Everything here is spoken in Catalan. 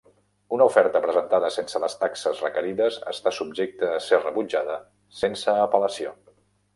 Una oferta presentada sense les taxes requerides està subjecta a ser rebutjada sense apel·lació.